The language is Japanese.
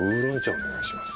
お願いします。